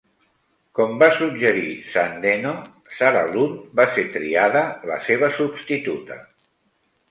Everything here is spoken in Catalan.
Com va suggerir Sandeno, Sara Lund va ser triada la seva substituta.